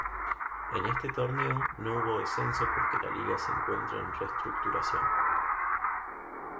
En este torneo no hubo descenso por que la liga se encuentra en reestructuración.